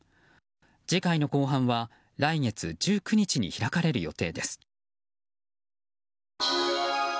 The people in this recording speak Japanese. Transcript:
次回の公判は来月１９日に開かれる予定です。